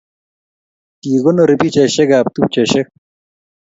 Kikonorii pichaishek ab tupcheshek